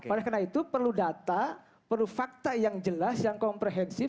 oleh karena itu perlu data perlu fakta yang jelas yang komprehensif